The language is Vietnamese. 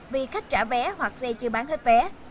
vì khách trả vé hoặc xe chưa bán hết vé